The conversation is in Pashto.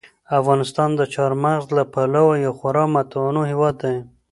افغانستان د چار مغز له پلوه یو خورا متنوع هېواد دی.